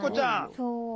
そう。